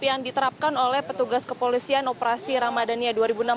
yang diterapkan oleh petugas kepolisian operasi ramadhania dua ribu enam belas